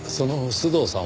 須藤さん？